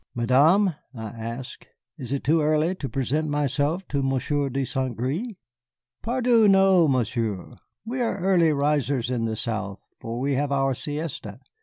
"Madame," I asked, "is it too early to present myself to Monsieur de Saint Gré?" "Pardieu, no, Monsieur, we are early risers in the South for we have our siesta.